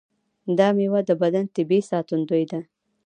دا میوه د بدن طبیعي ساتندوی ده.